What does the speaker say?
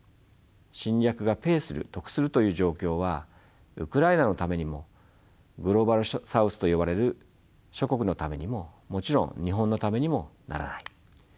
侵略がペイする得するという状況はウクライナのためにもグローバル・サウスといわれる諸国のためにももちろん日本のためにもならない。